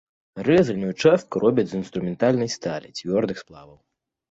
Рэзальную частку робяць з інструментальнай сталі, цвёрдых сплаваў.